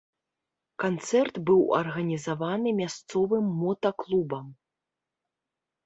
Канцэрт быў арганізаваны мясцовым мотаклубам.